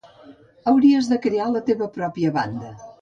Hauries de crear la teva pròpia banda.